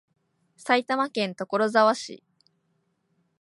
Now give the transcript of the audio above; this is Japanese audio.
埼玉県所沢市